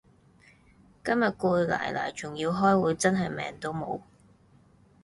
今日攰賴賴仲要開會真係命都無